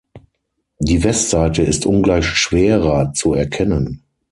Die Westseite ist ungleich schwerer zu erkennen.